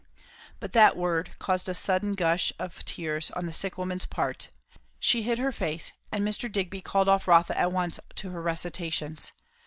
But that word caused a sudden gush of tears on the sick woman's part; she hid her face; and Mr. Digby called off Rotha at once to her recitations.